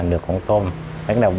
sẽ làm con tôm cũ khó chịu